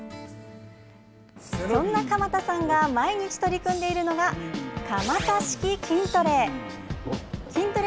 そんな鎌田さんが毎日取り組んでいるのが鎌田式筋トレ。